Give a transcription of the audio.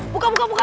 buka buka buka